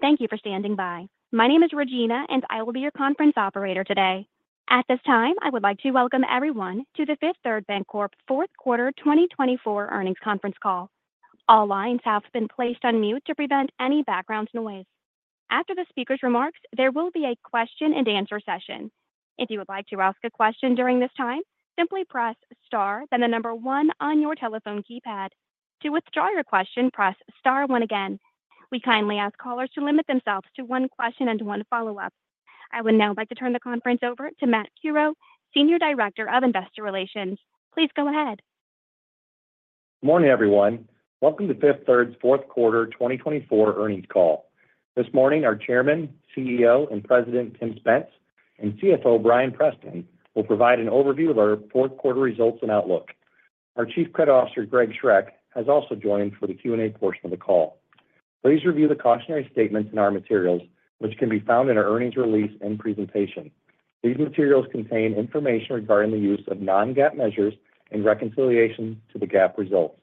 Thank you for standing by. My name is Regina, and I will be your conference operator today. At this time, I would like to welcome everyone to the Fifth Third Bancorp Fourth Quarter 2024 earnings conference call. All lines have been placed on mute to prevent any background noise. After the speaker's remarks, there will be a question-and-answer session. If you would like to ask a question during this time, simply press star, then the number one on your telephone keypad. To withdraw your question, press star one again. We kindly ask callers to limit themselves to one question and one follow-up. I would now like to turn the conference over to Matt Curoe, Senior Director of Investor Relations. Please go ahead. Good morning, everyone. Welcome to Fifth Third's Fourth Quarter 2024 earnings call. This morning, our Chairman, CEO, and President Tim Spence, and CFO Bryan Preston will provide an overview of our fourth quarter results and outlook. Our Chief Credit Officer, Greg Schroeck, has also joined for the Q&A portion of the call. Please review the cautionary statements in our materials, which can be found in our earnings release and presentation. These materials contain information regarding the use of non-GAAP measures in reconciliation to the GAAP results,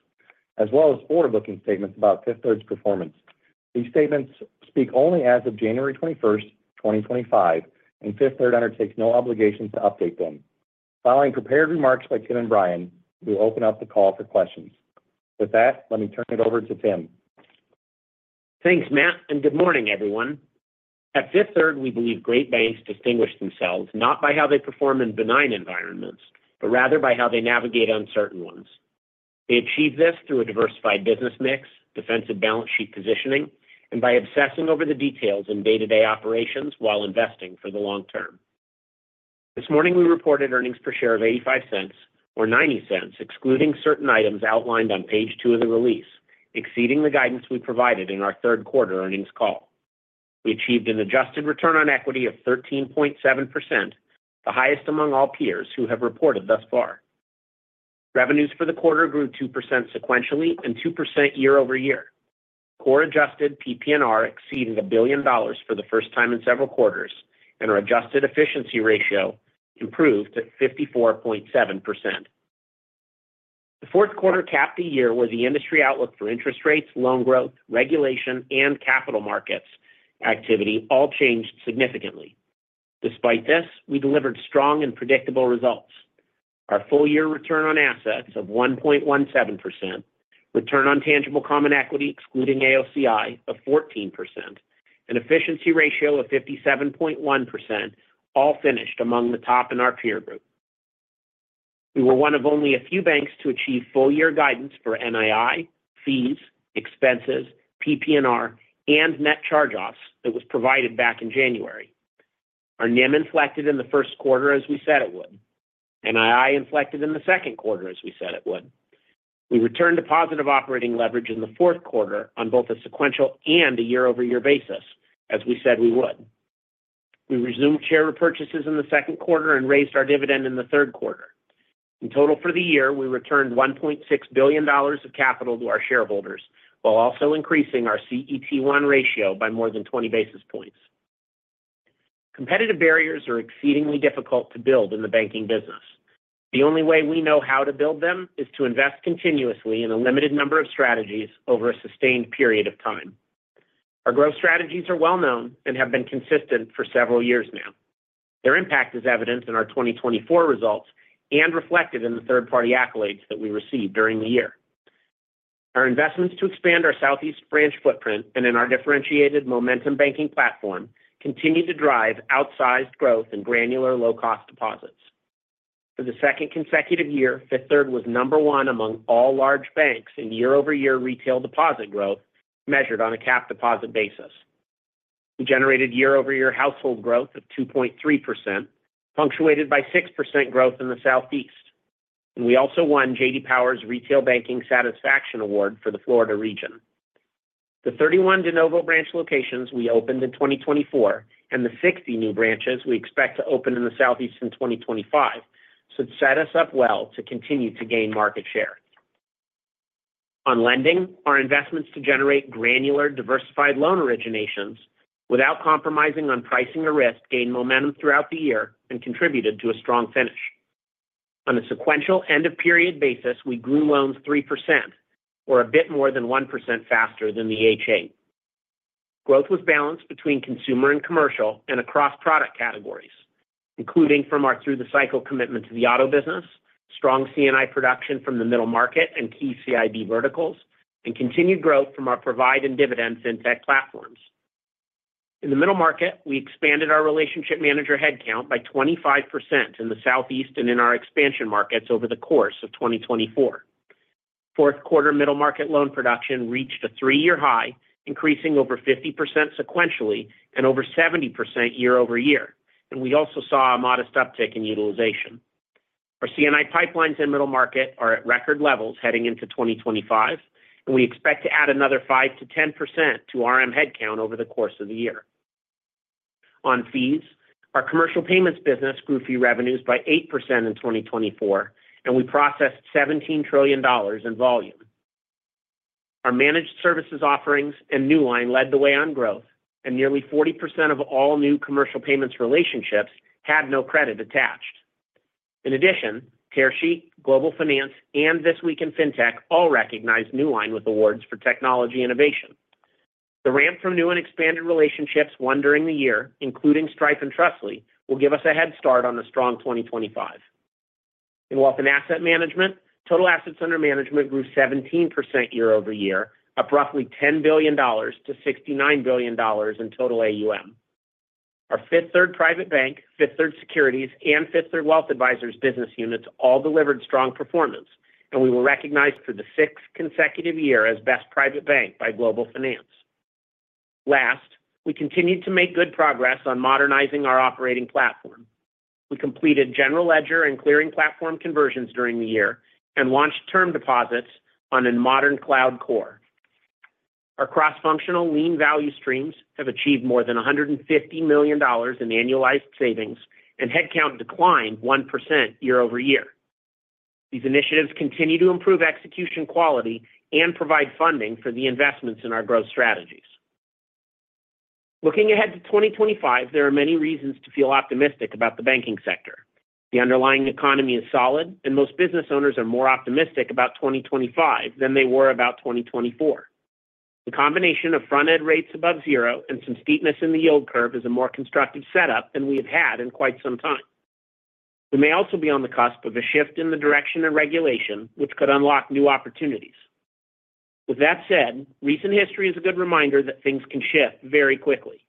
as well as forward-looking statements about Fifth Third's performance. These statements speak only as of January 21st, 2025, and Fifth Third undertakes no obligation to update them. Following prepared remarks by Tim and Bryan, we will open up the call for questions. With that, let me turn it over to Tim. Thanks, Matt, and good morning, everyone. At Fifth Third, we believe great banks distinguish themselves not by how they perform in benign environments, but rather by how they navigate uncertain ones. They achieve this through a diversified business mix, defensive balance sheet positioning, and by obsessing over the details in day-to-day operations while investing for the long term. This morning, we reported earnings per share of $0.85 or $0.90, excluding certain items outlined on page two of the release, exceeding the guidance we provided in our third quarter earnings call. We achieved an adjusted return on equity of 13.7%, the highest among all peers who have reported thus far. Revenues for the quarter grew 2% sequentially and 2% year-over-year. Core adjusted PPNR exceeded $1 billion for the first time in several quarters, and our adjusted efficiency ratio improved at 54.7%. The fourth quarter capped the year where the industry outlook for interest rates, loan growth, regulation, and capital markets activity all changed significantly. Despite this, we delivered strong and predictable results. Our full-year return on assets of 1.17%, return on tangible common equity excluding AOCI of 14%, and efficiency ratio of 57.1% all finished among the top in our peer group. We were one of only a few banks to achieve full-year guidance for NII, fees, expenses, PPNR, and net charge-offs that was provided back in January. Our NIM inflected in the first quarter as we said it would. NII inflected in the second quarter as we said it would. We returned to positive operating leverage in the fourth quarter on both a sequential and a year-over-year basis as we said we would. We resumed share repurchases in the second quarter and raised our dividend in the third quarter. In total for the year, we returned $1.6 billion of capital to our shareholders while also increasing our CET1 ratio by more than 20 basis points. Competitive barriers are exceedingly difficult to build in the banking business. The only way we know how to build them is to invest continuously in a limited number of strategies over a sustained period of time. Our growth strategies are well-known and have been consistent for several years now. Their impact is evident in our 2024 results and reflected in the third-party accolades that we received during the year. Our investments to expand our Southeast branch footprint and in our differentiated Momentum Banking platform continue to drive outsized growth in granular low-cost deposits. For the second consecutive year, Fifth Third was number one among all large banks in year-over-year retail deposit growth measured on a core deposit basis. We generated year-over-year household growth of 2.3%, punctuated by 6% growth in the Southeast, and we also won J.D. Power's Retail Banking Satisfaction Award for the Florida region. The 31 de novo branch locations we opened in 2024 and the 60 new branches we expect to open in the Southeast in 2025 set us up well to continue to gain market share. On lending, our investments to generate granular diversified loan originations without compromising on pricing or risk gained momentum throughout the year and contributed to a strong finish. On a sequential end-of-period basis, we grew loans 3% or a bit more than 1% faster than the H.8. Growth was balanced between consumer and commercial and across product categories, including from our through-the-cycle commitment to the auto business, strong C&I production from the middle market and key CIB verticals, and continued growth from our Provide and Dividend fintech platforms. In the middle market, we expanded our relationship manager headcount by 25% in the Southeast and in our expansion markets over the course of 2024. Fourth quarter middle market loan production reached a three-year high, increasing over 50% sequentially and over 70% year-over-year, and we also saw a modest uptick in utilization. Our C&I pipelines in middle market are at record levels heading into 2025, and we expect to add another 5%-10% to RM headcount over the course of the year. On fees, our commercial payments business grew fee revenues by 8% in 2024, and we processed $17 trillion in volume. Our managed services offerings and Newline led the way on growth, and nearly 40% of all new commercial payments relationships had no credit attached. In addition, Tearsheet, Global Finance, and This Week in Fintech all recognized Newline with awards for technology innovation. The ramp from new and expanded relationships won during the year, including Stripe and Trustly, will give us a head start on a strong 2025. In wealth and asset management, total assets under management grew 17% year-over-year, up roughly $10 billion to $69 billion in total AUM. Our Fifth Third Private Bank, Fifth Third Securities, and Fifth Third Wealth Advisors business units all delivered strong performance, and we were recognized for the sixth consecutive year as best private bank by Global Finance. Last, we continued to make good progress on modernizing our operating platform. We completed general ledger and clearing platform conversions during the year and launched term deposits on a modern cloud core. Our cross-functional lean value streams have achieved more than $150 million in annualized savings, and headcount declined 1% year-over-year. These initiatives continue to improve execution quality and provide funding for the investments in our growth strategies. Looking ahead to 2025, there are many reasons to feel optimistic about the banking sector. The underlying economy is solid, and most business owners are more optimistic about 2025 than they were about 2024. The combination of front-end rates above zero and some steepness in the yield curve is a more constructive setup than we have had in quite some time. We may also be on the cusp of a shift in the direction of regulation, which could unlock new opportunities. With that said, recent history is a good reminder that things can shift very quickly.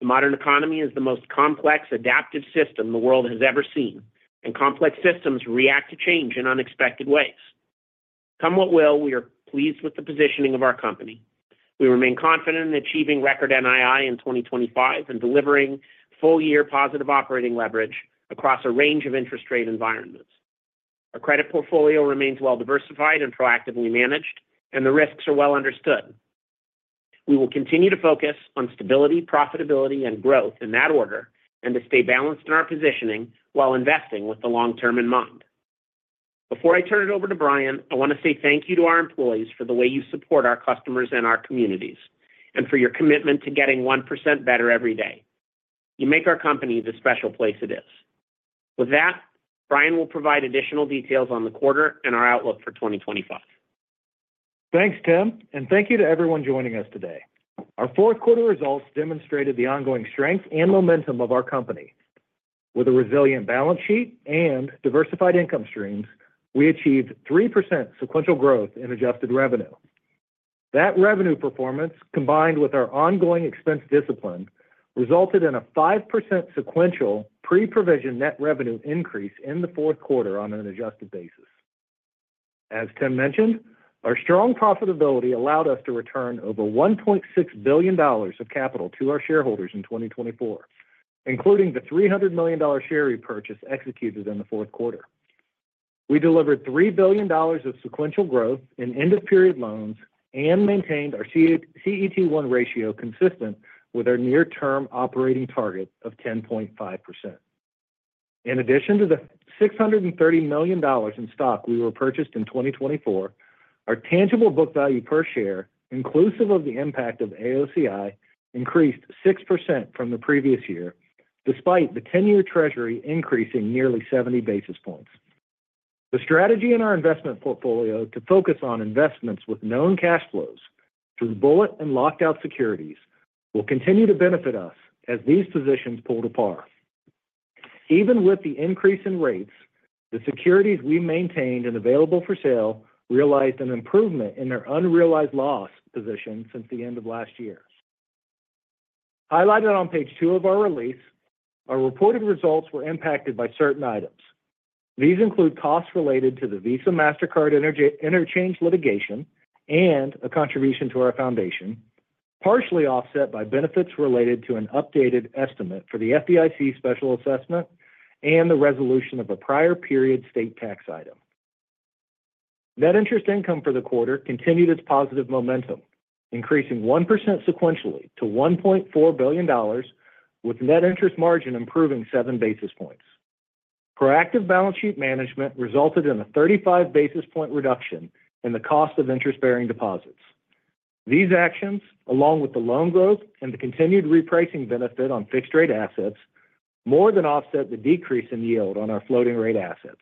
The modern economy is the most complex adaptive system the world has ever seen, and complex systems react to change in unexpected ways. Come what will, we are pleased with the positioning of our company. We remain confident in achieving record NII in 2025 and delivering full-year positive operating leverage across a range of interest rate environments. Our credit portfolio remains well-diversified and proactively managed, and the risks are well understood. We will continue to focus on stability, profitability, and growth in that order and to stay balanced in our positioning while investing with the long term in mind. Before I turn it over to Bryan, I want to say thank you to our employees for the way you support our customers and our communities and for your commitment to getting 1% better every day. You make our company the special place it is. With that, Bryan will provide additional details on the quarter and our outlook for 2025. Thanks, Tim, and thank you to everyone joining us today. Our fourth quarter results demonstrated the ongoing strength and momentum of our company. With a resilient balance sheet and diversified income streams, we achieved 3% sequential growth in adjusted revenue. That revenue performance, combined with our ongoing expense discipline, resulted in a 5% sequential pre-provision net revenue increase in the fourth quarter on an adjusted basis. As Tim mentioned, our strong profitability allowed us to return over $1.6 billion of capital to our shareholders in 2024, including the $300 million share repurchase executed in the fourth quarter. We delivered $3 billion of sequential growth in end-of-period loans and maintained our CET1 ratio consistent with our near-term operating target of 10.5%. In addition to the $630 million in stock we repurchased in 2024, our tangible book value per share, inclusive of the impact of AOCI, increased 6% from the previous year, despite the 10-year treasury increasing nearly 70 basis points. The strategy in our investment portfolio to focus on investments with known cash flows through bullet and locked-out securities will continue to benefit us as these positions pull to par. Even with the increase in rates, the securities we maintained and available for sale realized an improvement in our unrealized loss position since the end of last year. Highlighted on page two of our release, our reported results were impacted by certain items. These include costs related to the Visa Mastercard interchange litigation and a contribution to our foundation, partially offset by benefits related to an updated estimate for the FDIC special assessment and the resolution of a prior period state tax item. Net interest income for the quarter continued its positive momentum, increasing 1% sequentially to $1.4 billion, with net interest margin improving 7 basis points. Proactive balance sheet management resulted in a 35 basis point reduction in the cost of interest-bearing deposits. These actions, along with the loan growth and the continued repricing benefit on fixed-rate assets, more than offset the decrease in yield on our floating-rate assets.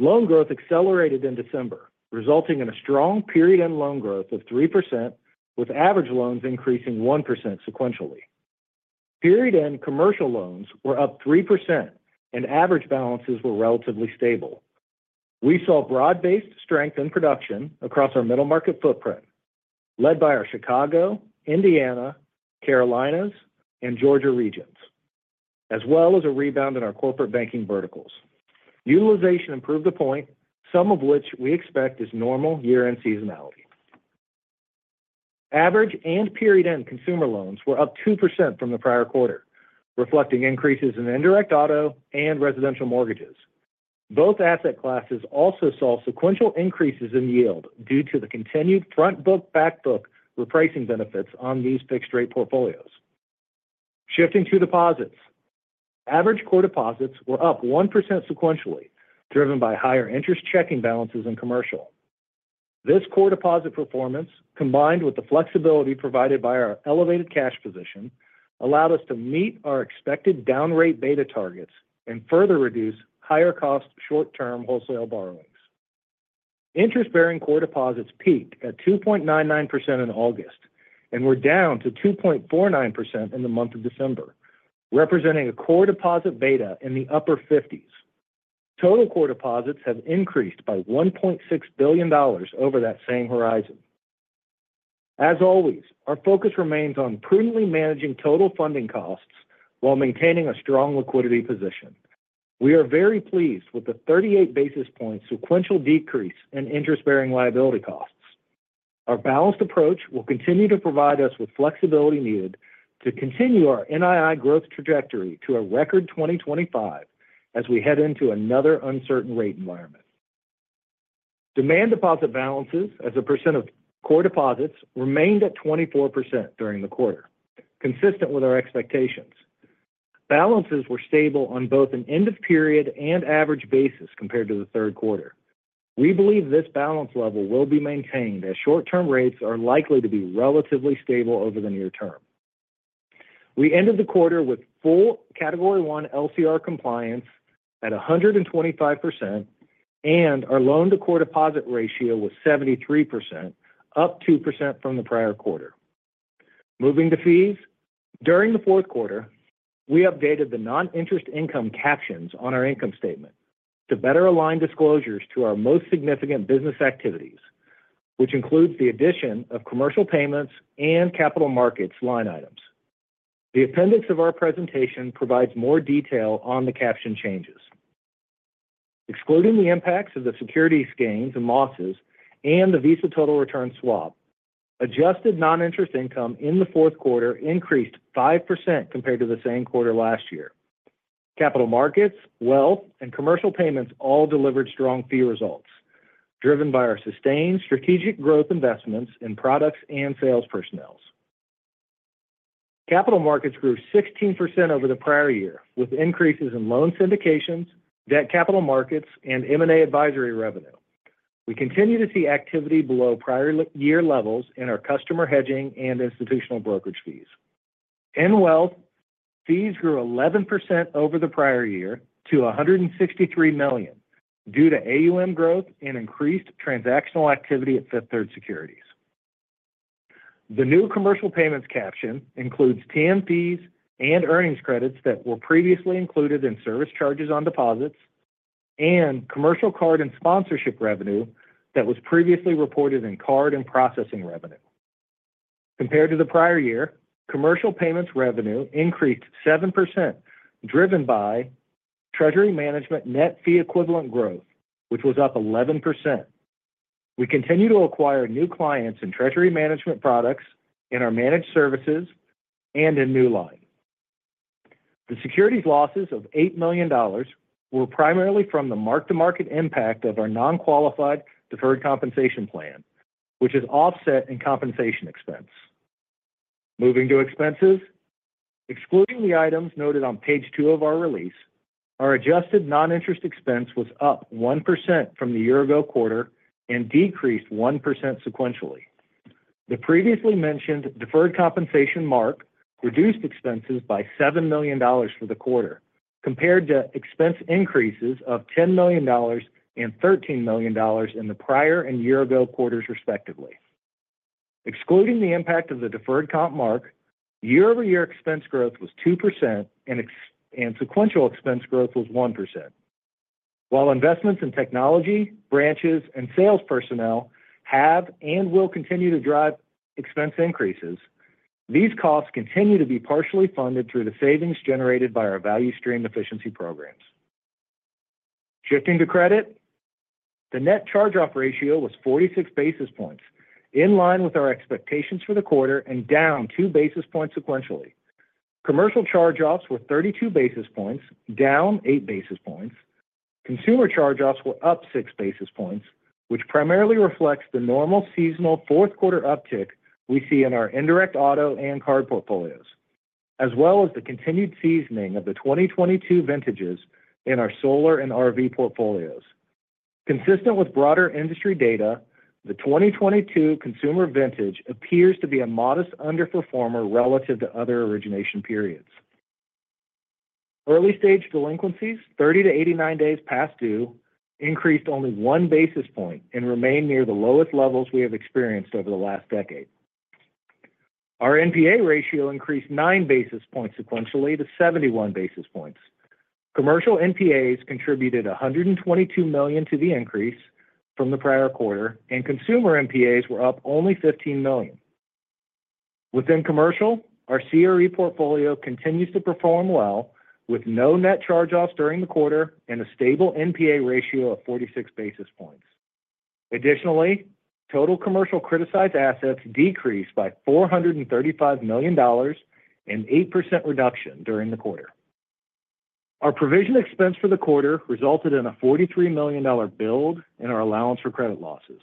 Loan growth accelerated in December, resulting in a strong period-end loan growth of 3%, with average loans increasing 1% sequentially. Period-end commercial loans were up 3%, and average balances were relatively stable. We saw broad-based strength in production across our middle market footprint, led by our Chicago, Indiana, Carolinas, and Georgia regions, as well as a rebound in our corporate banking verticals. Utilization improved a point, some of which we expect is normal year-end seasonality. Average and period-end consumer loans were up 2% from the prior quarter, reflecting increases in indirect auto and residential mortgages. Both asset classes also saw sequential increases in yield due to the continued front-book, back-book repricing benefits on these fixed-rate portfolios. Shifting to deposits, average core deposits were up 1% sequentially, driven by higher interest checking balances in commercial. This core deposit performance, combined with the flexibility provided by our elevated cash position, allowed us to meet our expected down-rate beta targets and further reduce higher-cost short-term wholesale borrowings. Interest-bearing core deposits peaked at 2.99% in August and were down to 2.49% in the month of December, representing a core deposit beta in the upper 50s. Total core deposits have increased by $1.6 billion over that same horizon. As always, our focus remains on prudently managing total funding costs while maintaining a strong liquidity position. We are very pleased with the 38 basis points sequential decrease in interest-bearing liability costs. Our balanced approach will continue to provide us with flexibility needed to continue our NII growth trajectory to a record 2025 as we head into another uncertain rate environment. Demand deposit balances as a percent of core deposits remained at 24% during the quarter, consistent with our expectations. Balances were stable on both an end-of-period and average basis compared to the third quarter. We believe this balance level will be maintained as short-term rates are likely to be relatively stable over the near term. We ended the quarter with full Category 1 LCR compliance at 125%, and our loan-to-core deposit ratio was 73%, up 2% from the prior quarter. Moving to fees, during the fourth quarter, we updated the non-interest income captions on our income statement to better align disclosures to our most significant business activities, which includes the addition of commercial payments and capital markets line items. The appendix of our presentation provides more detail on the caption changes. Excluding the impacts of the securities gains and losses and the Visa total return swap, adjusted non-interest income in the fourth quarter increased 5% compared to the same quarter last year. Capital markets, wealth, and commercial payments all delivered strong fee results, driven by our sustained strategic growth investments in products and sales personnel. Capital markets grew 16% over the prior year, with increases in loan syndications, debt capital markets, and M&A advisory revenue. We continue to see activity below prior year levels in our customer hedging and institutional brokerage fees. In wealth, fees grew 11% over the prior year to $163 million due to AUM growth and increased transactional activity at Fifth Third Securities. The new commercial payments caption includes TM fees and earnings credits that were previously included in service charges on deposits and commercial card and sponsorship revenue that was previously reported in card and processing revenue. Compared to the prior year, commercial payments revenue increased 7%, driven by treasury management net fee equivalent growth, which was up 11%. We continue to acquire new clients in treasury management products in our managed services and in Newline. The securities losses of $8 million were primarily from the mark-to-market impact of our non-qualified deferred compensation plan, which is offset in compensation expense. Moving to expenses, excluding the items noted on page two of our release, our adjusted non-interest expense was up 1% from the year-ago quarter and decreased 1% sequentially. The previously mentioned deferred compensation mark reduced expenses by $7 million for the quarter, compared to expense increases of $10 million and $13 million in the prior and year-ago quarters, respectively. Excluding the impact of the deferred comp mark, year-over-year expense growth was 2%, and sequential expense growth was 1%. While investments in technology, branches, and sales personnel have and will continue to drive expense increases, these costs continue to be partially funded through the savings generated by our value stream efficiency programs. Shifting to credit, the net charge-off ratio was 46 basis points, in line with our expectations for the quarter and down 2 basis points sequentially. Commercial charge-offs were 32 basis points, down 8 basis points. Consumer charge-offs were up 6 basis points, which primarily reflects the normal seasonal fourth quarter uptick we see in our indirect auto and card portfolios, as well as the continued seasoning of the 2022 vintages in our solar and RV portfolios. Consistent with broader industry data, the 2022 consumer vintage appears to be a modest underperformer relative to other origination periods. Early-stage delinquencies, 30 to 89 days past due, increased only one basis point and remain near the lowest levels we have experienced over the last decade. Our NPA ratio increased nine basis points sequentially to 71 basis points. Commercial NPAs contributed $122 million to the increase from the prior quarter, and consumer NPAs were up only $15 million. Within commercial, our CRE portfolio continues to perform well, with no net charge-offs during the quarter and a stable NPA ratio of 46 basis points. Additionally, total commercial criticized assets decreased by $435 million and an 8% reduction during the quarter. Our provision expense for the quarter resulted in a $43 million build in our allowance for credit losses.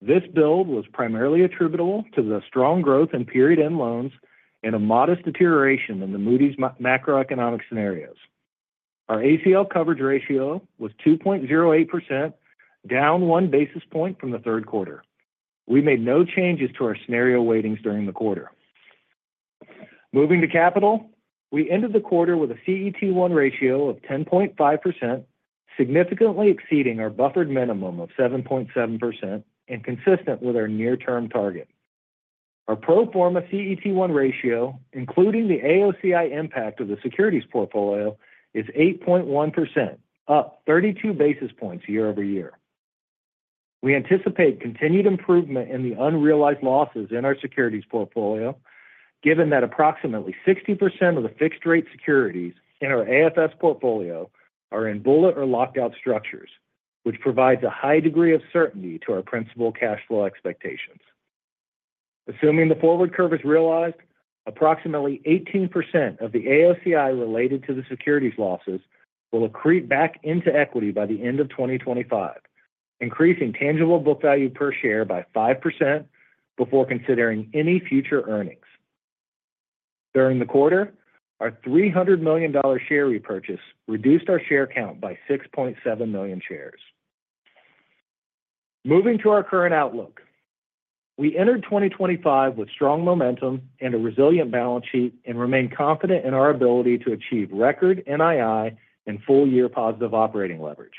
This build was primarily attributable to the strong growth in period-end loans and a modest deterioration in the Moody's macroeconomic scenarios. Our ACL coverage ratio was 2.08%, down one basis point from the third quarter. We made no changes to our scenario weightings during the quarter. Moving to capital, we ended the quarter with a CET1 ratio of 10.5%, significantly exceeding our buffered minimum of 7.7% and consistent with our near-term target. Our pro forma CET1 ratio, including the AOCI impact of the securities portfolio, is 8.1%, up 32 basis points year-over-year. We anticipate continued improvement in the unrealized losses in our securities portfolio, given that approximately 60% of the fixed-rate securities in our AFS portfolio are in bullet or locked-out structures, which provides a high degree of certainty to our principal cash flow expectations. Assuming the forward curve is realized, approximately 18% of the AOCI related to the securities losses will accrete back into equity by the end of 2025, increasing tangible book value per share by 5% before considering any future earnings. During the quarter, our $300 million share repurchase reduced our share count by 6.7 million shares. Moving to our current outlook, we entered 2025 with strong momentum and a resilient balance sheet and remain confident in our ability to achieve record NII and full-year positive operating leverage.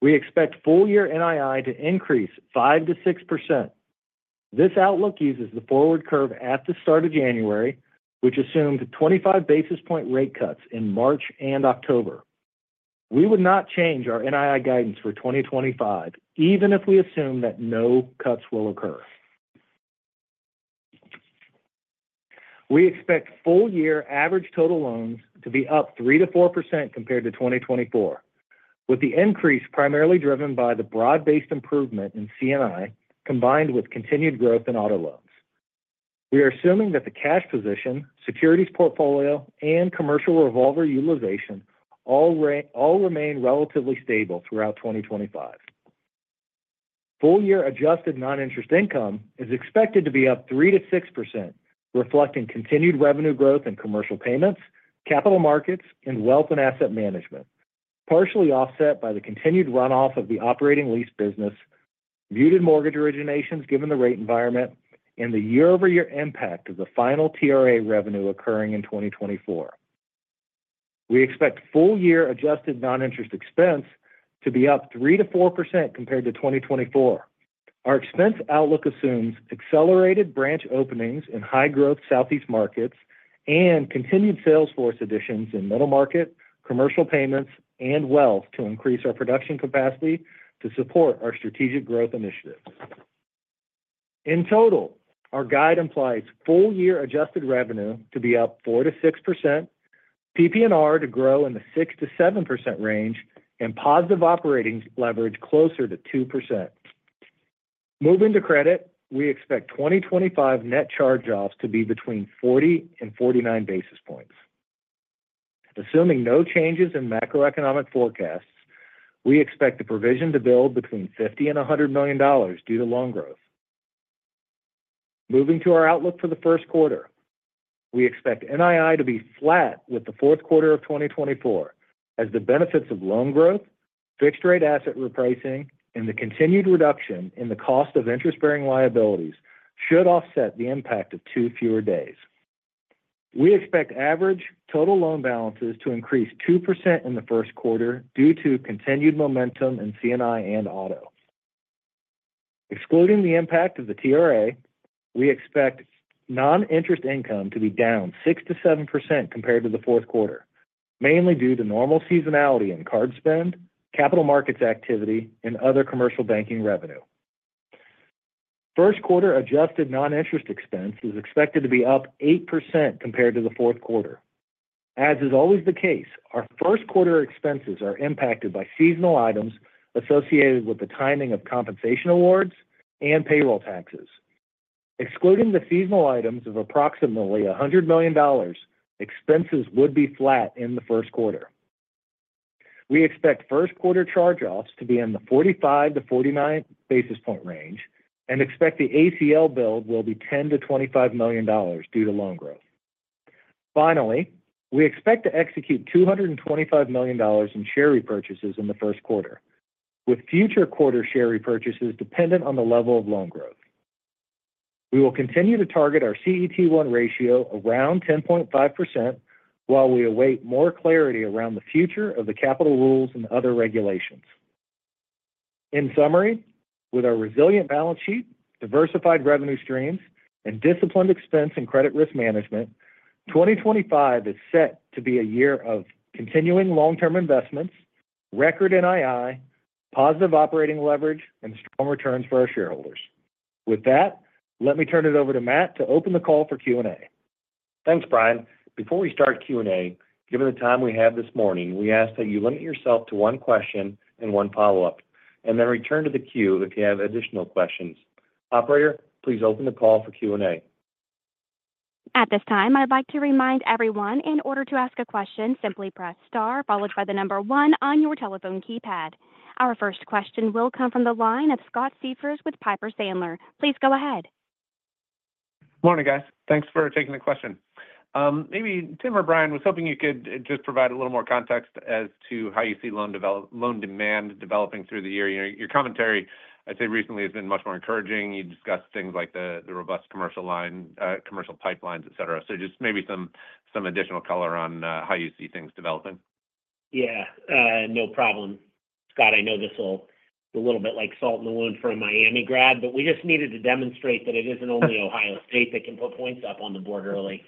We expect full-year NII to increase 5%-6%. This outlook uses the forward curve at the start of January, which assumed 25 basis points rate cuts in March and October. We would not change our NII guidance for 2025, even if we assume that no cuts will occur. We expect full-year average total loans to be up 3%-4% compared to 2024, with the increase primarily driven by the broad-based improvement in C&I combined with continued growth in auto loans. We are assuming that the cash position, securities portfolio, and commercial revolver utilization all remain relatively stable throughout 2025. Full-year adjusted non-interest income is expected to be up 3%-6%, reflecting continued revenue growth in commercial payments, capital markets, and wealth and asset management, partially offset by the continued runoff of the operating lease business, muted mortgage originations given the rate environment, and the year-over-year impact of the final TRA revenue occurring in 2024. We expect full-year adjusted non-interest expense to be up 3%-4% compared to 2024. Our expense outlook assumes accelerated branch openings in high-growth Southeast markets and continued sales force additions in middle market, commercial payments, and wealth to increase our production capacity to support our strategic growth initiatives. In total, our guide implies full-year adjusted revenue to be up 4%-6%, PPNR to grow in the 6%-7% range, and positive operating leverage closer to 2%. Moving to credit, we expect 2025 net charge-offs to be between 40 and 49 basis points. Assuming no changes in macroeconomic forecasts, we expect the provision to build between $50 and $100 million due to loan growth. Moving to our outlook for the first quarter, we expect NII to be flat with the fourth quarter of 2024, as the benefits of loan growth, fixed-rate asset repricing, and the continued reduction in the cost of interest-bearing liabilities should offset the impact of two fewer days. We expect average total loan balances to increase 2% in the first quarter due to continued momentum in C&I and auto. Excluding the impact of the TRA, we expect non-interest income to be down 6%-7% compared to the fourth quarter, mainly due to normal seasonality in card spend, capital markets activity, and other commercial banking revenue. First quarter adjusted non-interest expense is expected to be up 8% compared to the fourth quarter. As is always the case, our first quarter expenses are impacted by seasonal items associated with the timing of compensation awards and payroll taxes. Excluding the seasonal items of approximately $100 million, expenses would be flat in the first quarter. We expect first quarter charge-offs to be in the 45-49 basis points range and expect the ACL build will be $10-$25 million due to loan growth. Finally, we expect to execute $225 million in share repurchases in the first quarter, with future quarter share repurchases dependent on the level of loan growth. We will continue to target our CET1 ratio around 10.5% while we await more clarity around the future of the capital rules and other regulations. In summary, with our resilient balance sheet, diversified revenue streams, and disciplined expense and credit risk management, 2025 is set to be a year of continuing long-term investments, record NII, positive operating leverage, and strong returns for our shareholders. With that, let me turn it over to Matt to open the call for Q&A. Thanks, Bryan. Before we start Q&A, given the time we have this morning, we ask that you limit yourself to one question and one follow-up, and then return to the queue if you have additional questions. Operator, please open the call for Q&A. At this time, I'd like to remind everyone, in order to ask a question, simply press star followed by the number one on your telephone keypad. Our first question will come from the line of Scott Siefers with Piper Sandler. Please go ahead. Morning, guys. Thanks for taking the question. Maybe Tim or Bryan was hoping you could just provide a little more context as to how you see loan demand developing through the year. Your commentary, I'd say recently, has been much more encouraging. You discussed things like the robust commercial line, commercial pipelines, etc. So just maybe some additional color on how you see things developing. Yeah, no problem. Scott, I know this will be a little bit like salt in the wound for a Miami grad, but we just needed to demonstrate that it isn't only Ohio State that can put points up on the board early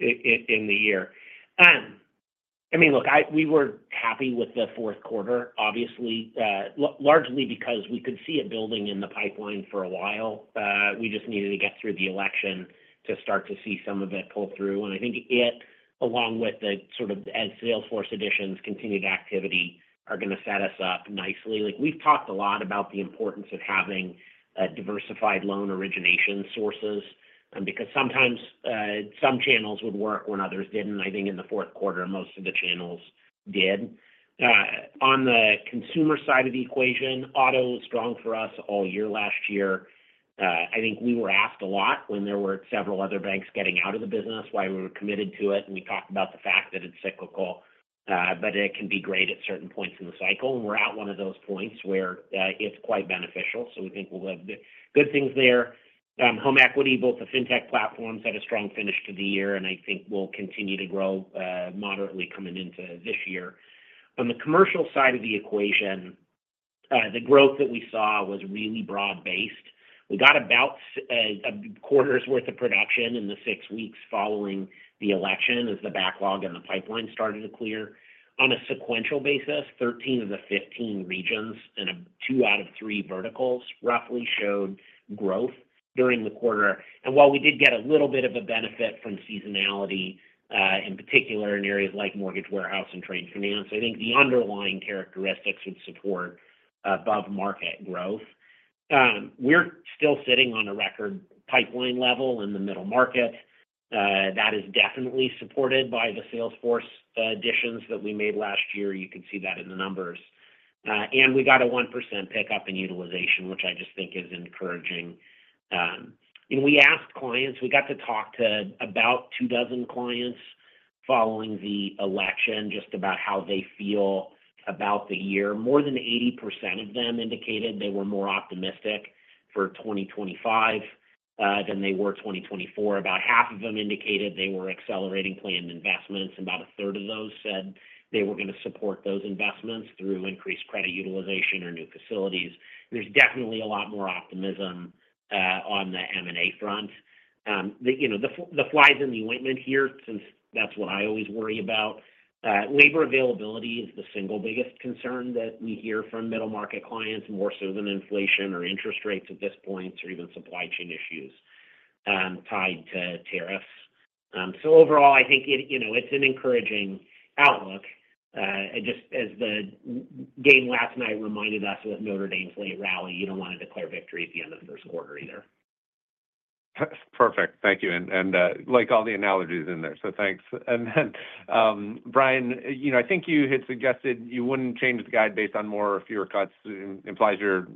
in the year. I mean, look, we were happy with the fourth quarter, obviously, largely because we could see it building in the pipeline for a while. We just needed to get through the election to start to see some of it pull through, and I think it, along with the sort of as sales force additions continued activity, are going to set us up nicely. We've talked a lot about the importance of having diversified loan origination sources because sometimes some channels would work when others didn't. I think in the fourth quarter, most of the channels did. On the consumer side of the equation, auto was strong for us all year last year. I think we were asked a lot when there were several other banks getting out of the business why we were committed to it. And we talked about the fact that it's cyclical, but it can be great at certain points in the cycle. And we're at one of those points where it's quite beneficial. So we think we'll have good things there. Home equity, both the fintech platforms, had a strong finish to the year, and I think will continue to grow moderately coming into this year. On the commercial side of the equation, the growth that we saw was really broad-based. We got about a quarter's worth of production in the six weeks following the election as the backlog and the pipeline started to clear. On a sequential basis, 13 of the 15 regions and two out of three verticals roughly showed growth during the quarter. And while we did get a little bit of a benefit from seasonality, in particular in areas like mortgage warehouse and trade finance, I think the underlying characteristics would support above-market growth. We're still sitting on a record pipeline level in the middle market. That is definitely supported by the Salesforce additions that we made last year. You can see that in the numbers. And we got a 1% pickup in utilization, which I just think is encouraging. We asked clients. We got to talk to about two dozen clients following the election just about how they feel about the year. More than 80% of them indicated they were more optimistic for 2025 than they were 2024. About half of them indicated they were accelerating planned investments. About a third of those said they were going to support those investments through increased credit utilization or new facilities. There's definitely a lot more optimism on the M&A front. The flies in the ointment here, since that's what I always worry about. Labor availability is the single biggest concern that we hear from middle market clients, more so than inflation or interest rates at this point or even supply chain issues tied to tariffs. So overall, I think it's an encouraging outlook. Just as the game last night reminded us with Notre Dame's late rally, you don't want to declare victory at the end of the first quarter either. Perfect. Thank you. And like all the analogies in there, so thanks. And then, Bryan, I think you had suggested you wouldn't change the guide based on more or fewer cuts. It implies you're,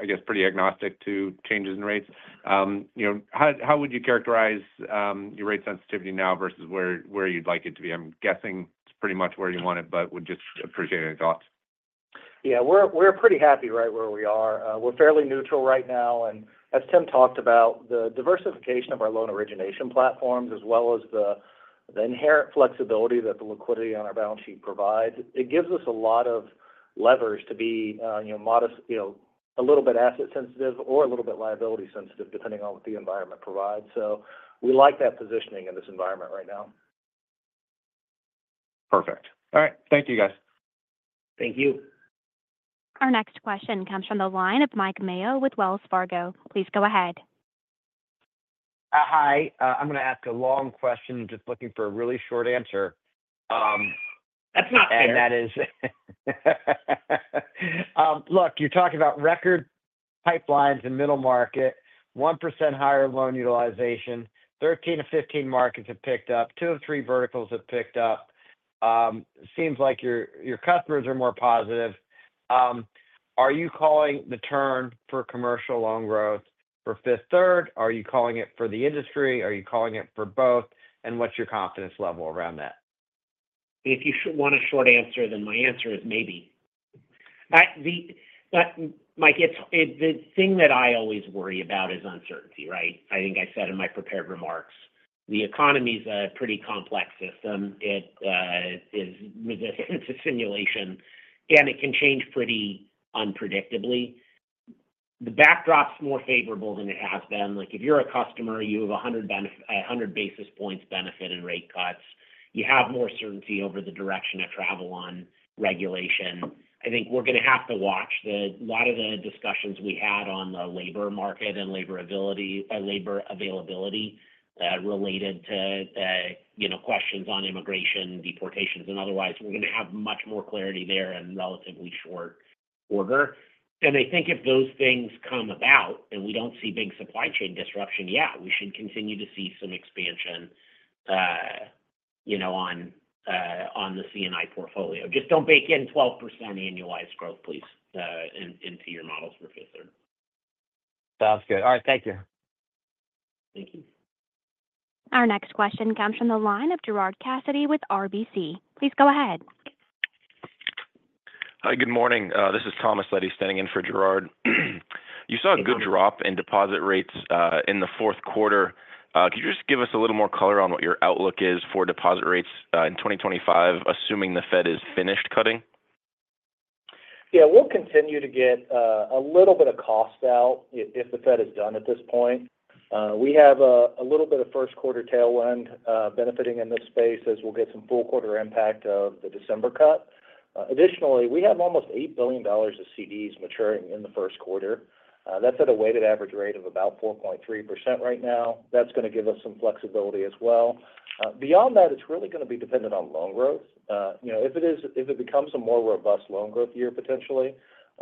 I guess, pretty agnostic to changes in rates. How would you characterize your rate sensitivity now versus where you'd like it to be? I'm guessing it's pretty much where you want it, but would just appreciate any thoughts. Yeah, we're pretty happy right where we are. We're fairly neutral right now. And as Tim talked about, the diversification of our loan origination platforms, as well as the inherent flexibility that the liquidity on our balance sheet provides, it gives us a lot of levers to be a little bit asset-sensitive or a little bit liability-sensitive, depending on what the environment provides. So we like that positioning in this environment right now. Perfect. All right. Thank you, guys. Thank you. Our next question comes from the line of Mike Mayo with Wells Fargo. Please go ahead. Hi. I'm going to ask a long question, just looking for a really short answer. That's not fair. And that is, look, you're talking about record pipelines in middle market, 1% higher loan utilization, 13 of 15 markets have picked up, two of three verticals have picked up. Seems like your customers are more positive. Are you calling the turn for commercial loan growth for Fifth Third? Are you calling it for the industry? Are you calling it for both? And what's your confidence level around that? If you want a short answer, then my answer is maybe. Mike, the thing that I always worry about is uncertainty, right? I think I said in my prepared remarks, the economy is a pretty complex system. It is resistant to simulation, and it can change pretty unpredictably. The backdrop's more favorable than it has been. If you're a customer, you have 100 basis points benefit in rate cuts. You have more certainty over the direction of travel on regulation. I think we're going to have to watch a lot of the discussions we had on the labor market and labor availability related to questions on immigration, deportations, and otherwise. We're going to have much more clarity there in relatively short order. I think if those things come about and we don't see big supply chain disruption yet, we should continue to see some expansion on the C&I portfolio. Just don't bake in 12% annualized growth, please, into your models for Fifth Third. Sounds good. All right. Thank you. Thank you. Our next question comes from the line of Gerard Cassidy with RBC. Please go ahead. Hi, good morning. This is Thomas Leddy standing in for Gerard. You saw a good drop in deposit rates in the fourth quarter. Could you just give us a little more color on what your outlook is for deposit rates in 2025, assuming the Fed is finished cutting? Yeah, we'll continue to get a little bit of cost out if the Fed is done at this point. We have a little bit of first quarter tailwind benefiting in this space as we'll get some full quarter impact of the December cut. Additionally, we have almost $8 billion of CDs maturing in the first quarter. That's at a weighted average rate of about 4.3% right now. That's going to give us some flexibility as well. Beyond that, it's really going to be dependent on loan growth. If it becomes a more robust loan growth year, potentially,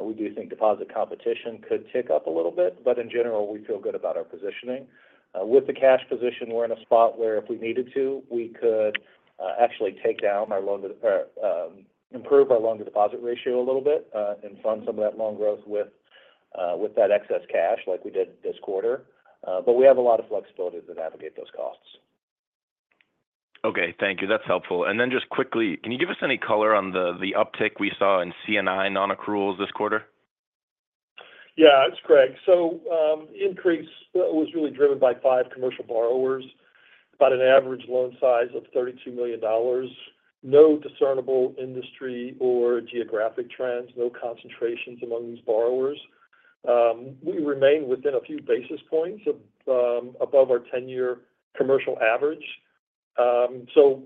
we do think deposit competition could tick up a little bit. But in general, we feel good about our positioning. With the cash position, we're in a spot where if we needed to, we could actually take down our loan to improve our loan to deposit ratio a little bit and fund some of that loan growth with that excess cash like we did this quarter. But we have a lot of flexibility to navigate those costs. Okay. Thank you. That's helpful. And then just quickly, can you give us any color on the uptick we saw in C&I non-accruals this quarter? Yeah, it's Greg. So the increase was really driven by five commercial borrowers, about an average loan size of $32 million. No discernible industry or geographic trends, no concentrations among these borrowers. We remain within a few basis points above our 10-year commercial average. So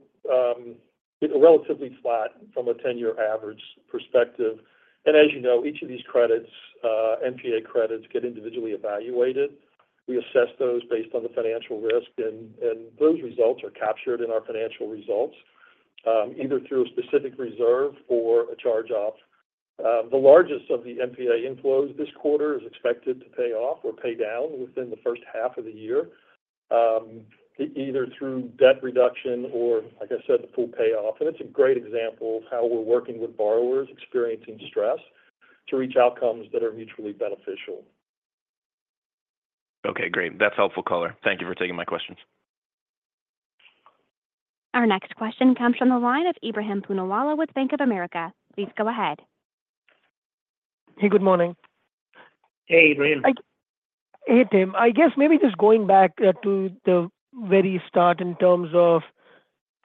relatively flat from a 10-year average perspective. And as you know, each of these credits, NPA credits, get individually evaluated. We assess those based on the financial risk, and those results are captured in our financial results, either through a specific reserve or a charge-off. The largest of the NPA inflows this quarter is expected to pay off or pay down within the first half of the year, either through debt reduction or, like I said, the full payoff. And it's a great example of how we're working with borrowers experiencing stress to reach outcomes that are mutually beneficial. Okay. Great. That's helpful color. Thank you for taking my questions. Our next question comes from the line of Ebrahim Poonawala with Bank of America. Please go ahead. Hey, good morning. Hey, Ebrahim. Hey, Tim. I guess maybe just going back to the very start in terms of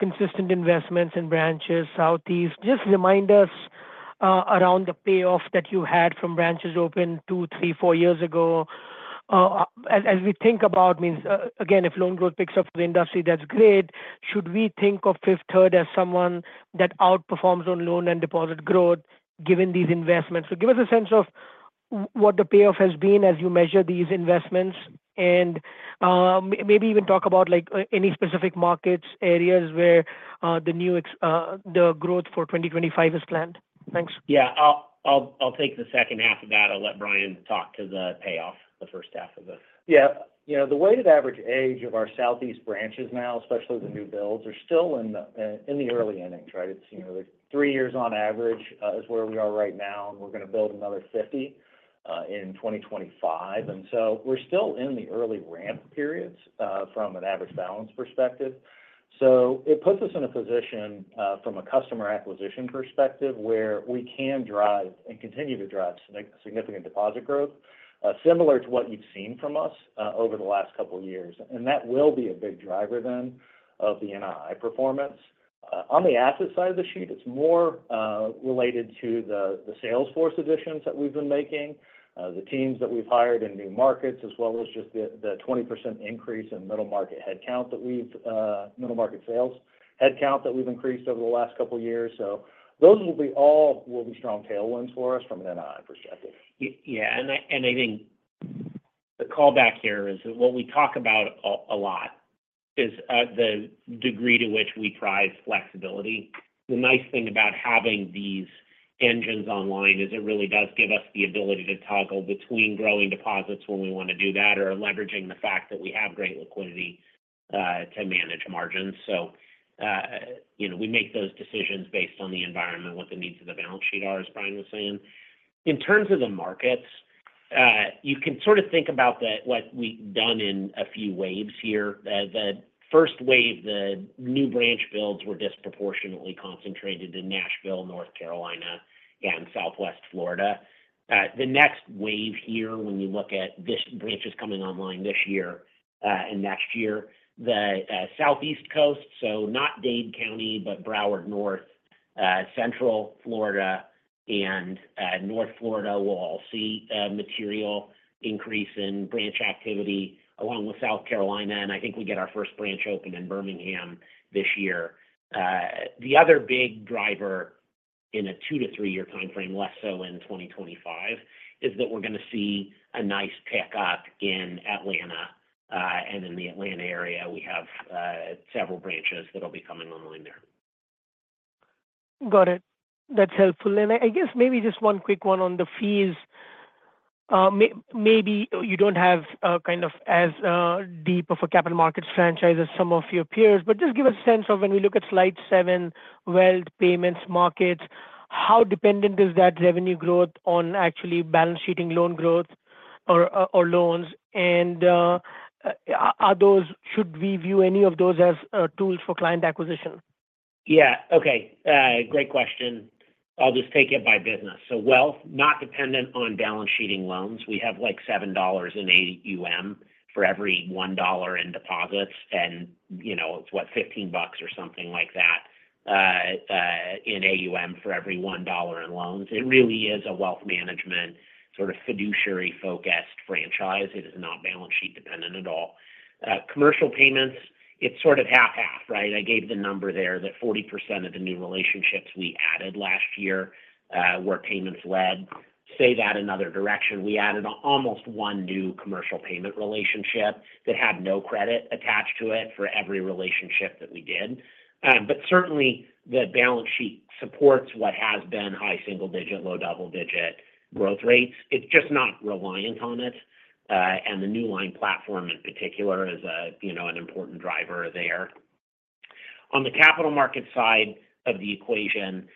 consistent investments in branches, Southeast. Just remind us around the payoff that you had from branches open two, three, four years ago. As we think about, I mean, again, if loan growth picks up for the industry, that's great. Should we think of Fifth Third as someone that outperforms on loan and deposit growth given these investments? So give us a sense of what the payoff has been as you measure these investments and maybe even talk about any specific markets, areas where the growth for 2025 is planned. Thanks. Yeah. I'll take the second half of that. I'll let Bryan talk to the payoff, the first half of this. Yeah. The weighted average age of our Southeast branches now, especially the new builds, are still in the early innings, right? Three years on average is where we are right now, and we're going to build another 50 in 2025, and so we're still in the early ramp periods from an average balance perspective, so it puts us in a position from a customer acquisition perspective where we can drive and continue to drive significant deposit growth, similar to what you've seen from us over the last couple of years, and that will be a big driver then of the NII performance. On the asset side of the sheet, it's more related to the Salesforce additions that we've been making, the teams that we've hired in new markets, as well as just the 20% increase in middle market sales headcount that we've increased over the last couple of years, so those will be all strong tailwinds for us from an NII perspective. Yeah. And I think the callback here is that what we talk about a lot is the degree to which we prize flexibility. The nice thing about having these engines online is it really does give us the ability to toggle between growing deposits when we want to do that or leveraging the fact that we have great liquidity to manage margins. So we make those decisions based on the environment, what the needs of the balance sheet are, as Bryan was saying. In terms of the markets, you can sort of think about what we've done in a few waves here. The first wave, the new branch builds were disproportionately concentrated in Nashville, North Carolina, and Southwest Florida. The next wave here, when you look at branches coming online this year and next year, the Southeast Coast, so not Dade County, but Broward North, Central Florida, and North Florida, we'll all see a material increase in branch activity along with South Carolina, and I think we get our first branch open in Birmingham this year. The other big driver in a two- to three-year timeframe, less so in 2025, is that we're going to see a nice pickup in Atlanta, and in the Atlanta area, we have several branches that will be coming online there. Got it. That's helpful, and I guess maybe just one quick one on the fees. Maybe you don't have kind of as deep of a capital markets franchise as some of your peers, but just give us a sense of when we look at slide seven, wealth, payments, markets, how dependent is that revenue growth on actually balance sheeting loan growth or loans? And should we view any of those as tools for client acquisition? Yeah. Okay. Great question. I'll just take it by business. So wealth, not dependent on balance sheeting loans. We have like $7.80 for every $1 in deposits, and it's what, 15 bucks or something like that in AUM for every $1 in loans. It really is a wealth management sort of fiduciary-focused franchise. It is not balance sheet dependent at all. Commercial payments, it's sort of half-half, right? I gave the number there that 40% of the new relationships we added last year were payments-led. Say that in other direction. We added almost one new commercial payment relationship that had no credit attached to it for every relationship that we did. But certainly, the balance sheet supports what has been high single-digit, low double-digit growth rates. It's just not reliant on it. And the Newline platform in particular is an important driver there. On the capital market side of the equation,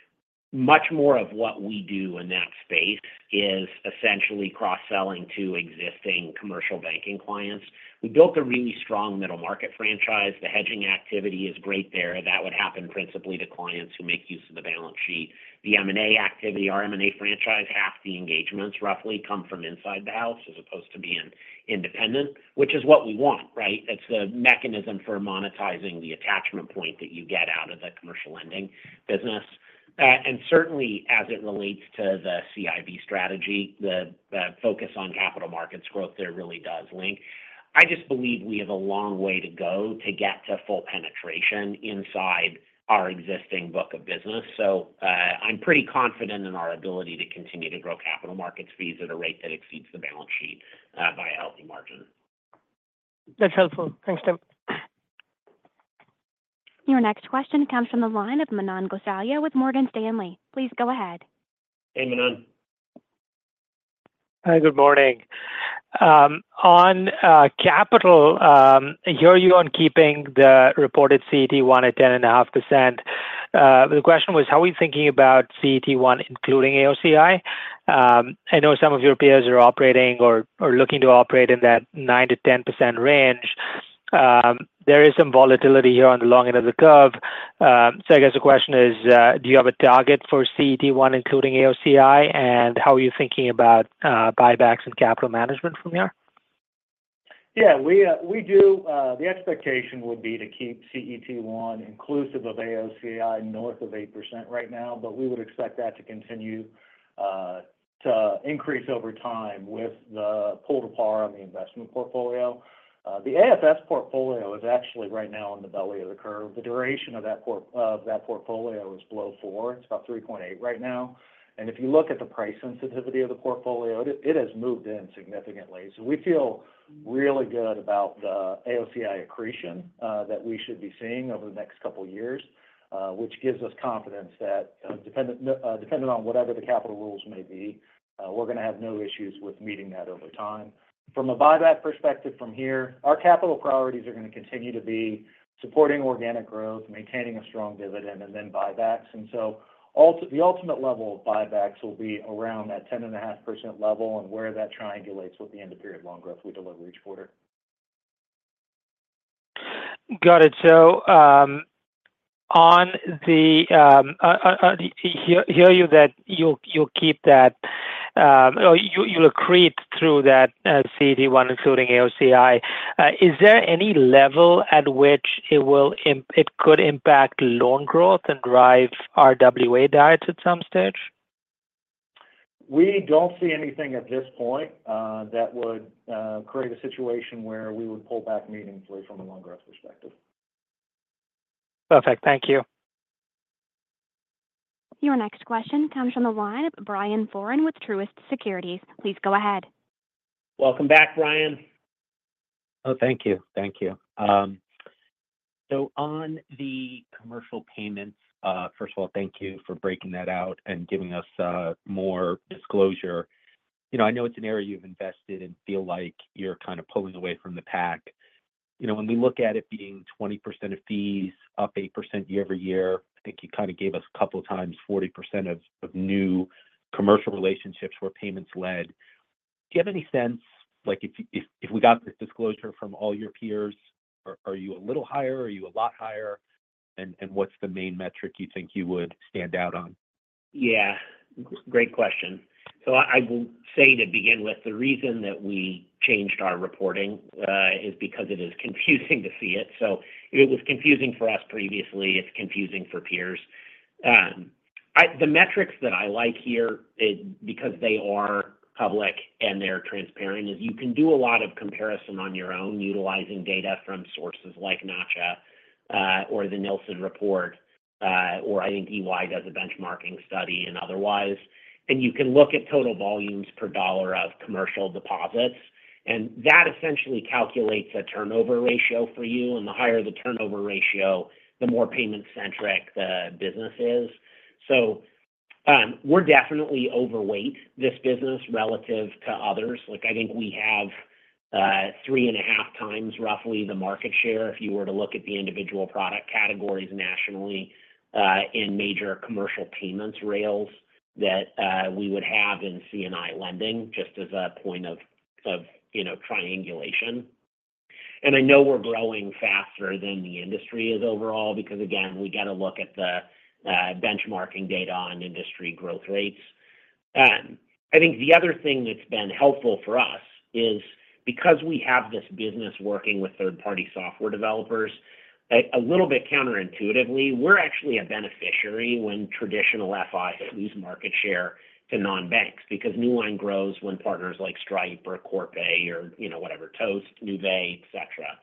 much more of what we do in that space is essentially cross-selling to existing commercial banking clients. We built a really strong middle market franchise. The hedging activity is great there. That would happen principally to clients who make use of the balance sheet. The M&A activity, our M&A franchise, half the engagements roughly come from inside the house as opposed to being independent, which is what we want, right? It's the mechanism for monetizing the attachment point that you get out of the commercial lending business. And certainly, as it relates to the CIB strategy, the focus on capital markets growth there really does link. I just believe we have a long way to go to get to full penetration inside our existing book of business. So I'm pretty confident in our ability to continue to grow capital markets fees at a rate that exceeds the balance sheet by a healthy margin. That's helpful. Thanks, Tim. Your next question comes from the line of Manan Gosalia with Morgan Stanley. Please go ahead. Hey, Manan. Hi, good morning. On capital, you're on keeping the reported CET1 at 10.5%. The question was, how are we thinking about CET1 including AOCI? I know some of your peers are operating or looking to operate in that 9%-10% range. There is some volatility here on the long end of the curve. So I guess the question is, do you have a target for CET1 including AOCI, and how are you thinking about buybacks and capital management from here? Yeah, we do. The expectation would be to keep CET1 inclusive of AOCI north of 8% right now, but we would expect that to continue to increase over time with the pull to par on the investment portfolio. The AFS portfolio is actually right now in the belly of the curve. The duration of that portfolio is below 4. It's about 3.8 right now. And if you look at the price sensitivity of the portfolio, it has moved in significantly. So we feel really good about the AOCI accretion that we should be seeing over the next couple of years, which gives us confidence that depending on whatever the capital rules may be, we're going to have no issues with meeting that over time. From a buyback perspective from here, our capital priorities are going to continue to be supporting organic growth, maintaining a strong dividend, and then buybacks. And so the ultimate level of buybacks will be around that 10.5% level and where that triangulates with the end-of-period loan growth we deliver each quarter. Got it. So on that, I hear you that you'll keep that or you'll accrete through that CET1 including AOCI. Is there any level at which it could impact loan growth and drive RWA betas at some stage? We don't see anything at this point that would create a situation where we would pull back meaningfully from a loan growth perspective. Perfect. Thank you. Your next question comes from the line of Brian Foran with Truist Securities. Please go ahead. Welcome back, Brian. Oh, thank you. Thank you. So on the commercial payments, first of all, thank you for breaking that out and giving us more disclosure. I know it's an area you've invested and feel like you're kind of pulling away from the pack. When we look at it being 20% of fees, up 8% year-over-year, I think you kind of gave us a couple of times 40% of new commercial relationships where payments led. Do you have any sense if we got this disclosure from all your peers, are you a little higher? Are you a lot higher? And what's the main metric you think you would stand out on? Yeah. Great question. So I will say to begin with, the reason that we changed our reporting is because it is confusing to see it. So if it was confusing for us previously, it's confusing for peers. The metrics that I like here, because they are public and they're transparent, is you can do a lot of comparison on your own utilizing data from sources like NACHA or the Nilson Report, or I think EY does a benchmarking study and otherwise. And you can look at total volumes per dollar of commercial deposits. And that essentially calculates a turnover ratio for you. And the higher the turnover ratio, the more payment-centric the business is. So we're definitely overweight this business relative to others. I think we have three and a half times roughly the market share if you were to look at the individual product categories nationally in major commercial payments rails that we would have in C&I lending just as a point of triangulation, and I know we're growing faster than the industry is overall because, again, we got to look at the benchmarking data on industry growth rates. I think the other thing that's been helpful for us is because we have this business working with third-party software developers, a little bit counterintuitively, we're actually a beneficiary when traditional FIs lose market share to non-banks because Newline grows when partners like Stripe or Corpay or whatever, Toast, Nuvei, etc.,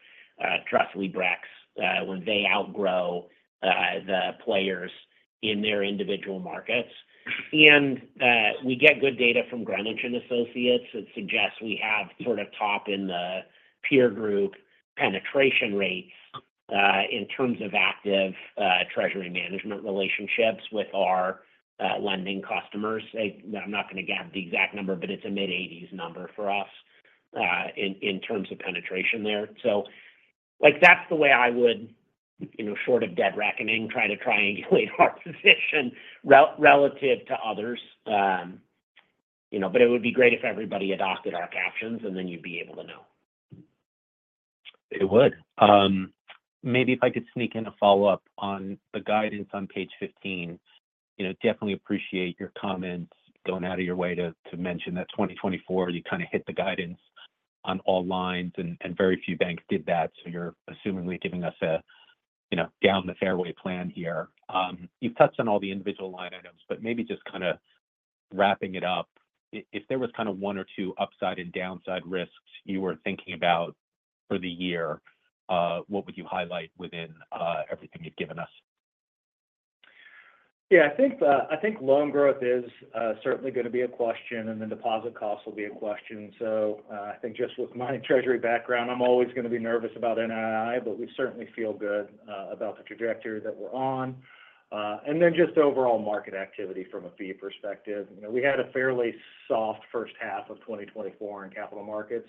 Trustly, Brex, when they outgrow the players in their individual markets. And we get good data from Greenwich and Associates that suggests we have sort of top in the peer group penetration rates in terms of active treasury management relationships with our lending customers. I'm not going to gather the exact number, but it's a mid-80s number for us in terms of penetration there. So that's the way I would, short of dead reckoning, try to triangulate our position relative to others. But it would be great if everybody adopted our captions, and then you'd be able to know. It would. Maybe if I could sneak in a follow-up on the guidance on page 15. Definitely appreciate your comments going out of your way to mention that 2024, you kind of hit the guidance on all lines, and very few banks did that. So you're assuming we're giving us a down-the-fairway plan here. You've touched on all the individual line items, but maybe just kind of wrapping it up, if there was kind of one or two upside and downside risks you were thinking about for the year, what would you highlight within everything you've given us? Yeah. I think loan growth is certainly going to be a question, and the deposit costs will be a question. So I think just with my treasury background, I'm always going to be nervous about NII, but we certainly feel good about the trajectory that we're on. And then just overall market activity from a fee perspective. We had a fairly soft first half of 2024 in capital markets.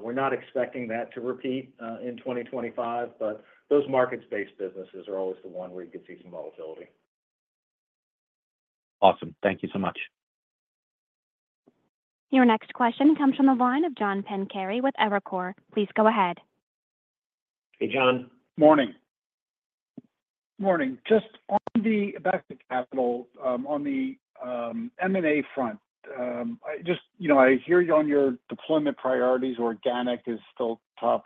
We're not expecting that to repeat in 2025, but those markets-based businesses are always the one where you could see some volatility. Awesome. Thank you so much. Your next question comes from the line of John Pancari with Evercore. Please go ahead. Hey, John. Morning. Morning. Just back to capital. On the M&A front, I hear you on your deployment priorities. Organic is still top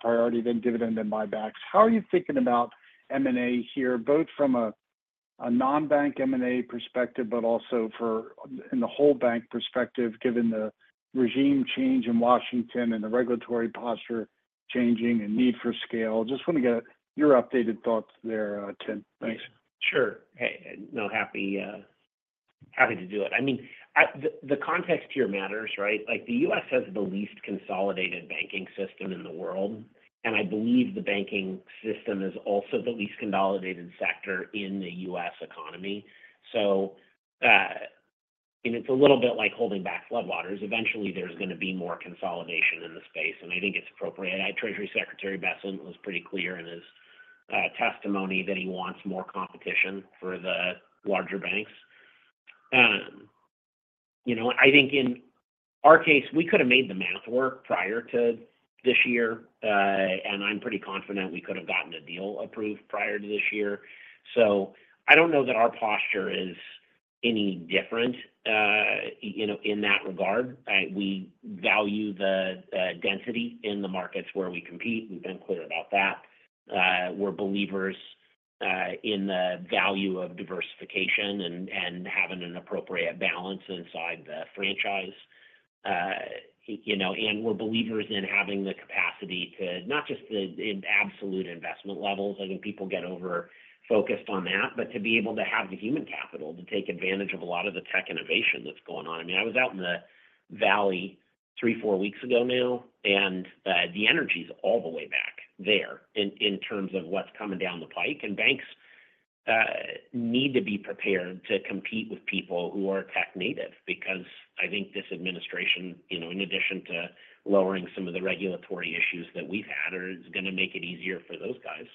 priority, then dividend and buybacks. How are you thinking about M&A here, both from a non-bank M&A perspective, but also in the whole bank perspective, given the regime change in Washington and the regulatory posture changing and need for scale? Just want to get your updated thoughts there, Tim. Thanks. Sure. Hey, no, happy to do it. I mean, the context here matters, right? The U.S. has the least consolidated banking system in the world, and I believe the banking system is also the least consolidated sector in the U.S. economy. So it's a little bit like holding back floodwaters. Eventually, there's going to be more consolidation in the space, and I think it's appropriate. Treasury Secretary Bessent was pretty clear in his testimony that he wants more competition for the larger banks. I think in our case, we could have made the math work prior to this year, and I'm pretty confident we could have gotten a deal approved prior to this year. So I don't know that our posture is any different in that regard. We value the density in the markets where we compete. We've been clear about that. We're believers in the value of diversification and having an appropriate balance inside the franchise. And we're believers in having the capacity to not just in absolute investment levels. I think people get over-focused on that, but to be able to have the human capital to take advantage of a lot of the tech innovation that's going on. I mean, I was out in the Valley three, four weeks ago now, and the energy is all the way back there in terms of what's coming down the pike. And banks need to be prepared to compete with people who are tech native because I think this administration, in addition to lowering some of the regulatory issues that we've had, is going to make it easier for those guys